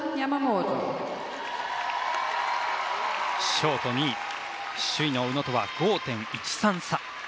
ショート２位首位の宇野とは５．１３差。